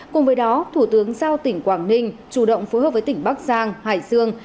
cùng với đó thủ tướng giao tỉnh quảng ninh chủ động phối hợp với tỉnh bắc giang hải dương